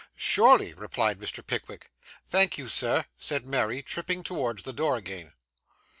'Surely,' replied Mr. Pickwick. 'Thank you, Sir,' said Mary, tripping towards the door again.